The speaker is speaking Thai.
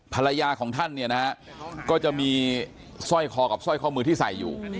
ภรรยาของท่านก็จะมีซ่อยขอกับซ่อยข้อมือที่ใส่อยู่